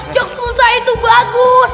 jogja punca itu bagus